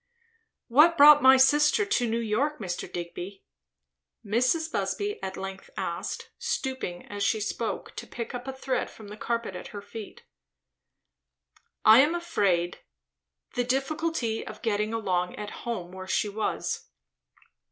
"What brought my sister to New York, Mr. Digby?" Mrs. Busby at length asked, stooping as she spoke to pick up a thread from the carpet at her feet. "I am afraid, the difficulty of getting along at home, where she was."